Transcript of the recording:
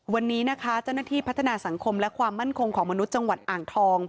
วันนี้นะคะเจ้าหน้าที่พัฒนาสังคมและความมั่นคงของมนุษย์จังหวัดอ่างทอง